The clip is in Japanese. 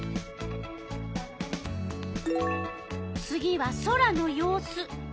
次は空の様子。